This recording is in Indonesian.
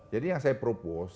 jadi yang saya propose